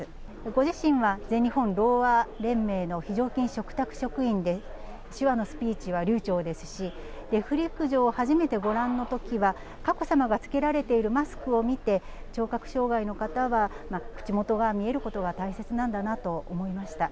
ご自身は全日本ろうあ連盟の非常勤嘱託職員で、手話のスピーチは流ちょうですし、デフ陸上を初めてご覧のときは、佳子さまが着けられているマスクを見て、聴覚障害の方は口元が見えることが大切なんだなと思いました。